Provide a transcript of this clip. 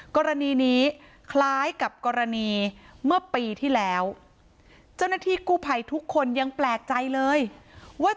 กรณีนี้คล้ายกับกรณีเมื่อปีที่แล้วเจ้าหน้าที่กู้ภัยทุกคนยังแปลกใจเลยว่า